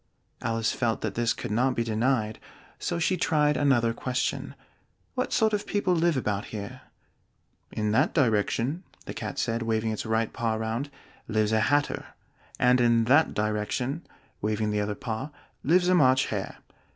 Alice felt that this could not be denied, so she tried another question. "What sort of people live about here?" "In that direction," the Cat said, waving its right paw round, "lives a Hatter; and in that direction," waving the other paw, "lives a March Hare.